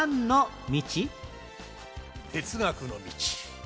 哲学の道。